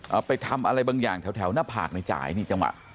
เอาไปทำอะไรบางอย่างแถวแถวหน้าผากในจ่ายนี่จังหวะ